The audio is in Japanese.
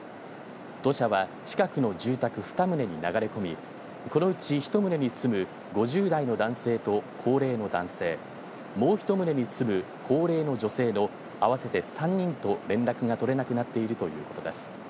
土砂は近くの住宅２棟に流れ込み、このうち１棟に住む５０代の男性と高齢の男性、もう１棟に住む高齢の女性の合わせて３人と連絡が取れなくなっているということです。